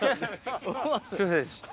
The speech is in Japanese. すいません